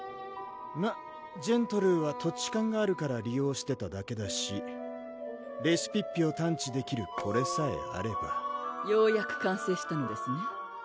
まぁジェントルーは土地勘があるから利用してただけだしレシピッピを探知できるこれさえあればようやく完成したのですね